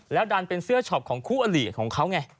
ดันเป็นเสื้อช็อปของคู่อลิของเขาไง